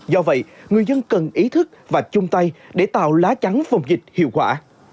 do vậy người dân cần ý thức và chung tay để tạo lá chắn phòng dịch hiệu quả